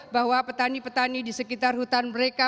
bahwa petani petani di sekitar hutan mereka